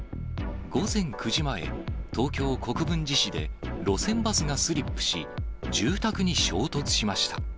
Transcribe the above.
午前９時前、東京・国分寺市で路線バスがスリップし、住宅に衝突しました。